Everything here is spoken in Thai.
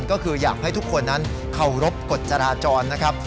ก็คืออยากให้ทุกคนนั้นเคารพกฎจราจรนะครับ